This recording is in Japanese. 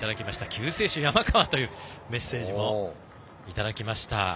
救世主・山川というメッセージもいただきました。